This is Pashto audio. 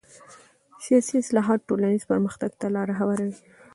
سیاسي اصلاحات ټولنیز پرمختګ ته لاره هواروي